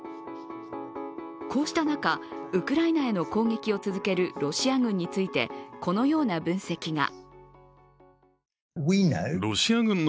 こうした中、ウクライナへの攻撃を続けるロシア軍についてこのような分析が。